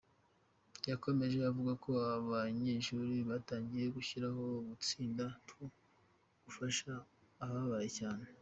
Yakomeje avuga ko abanyeshuri batangiye gushyiraho udutsinda two gufasha abababaye cyane.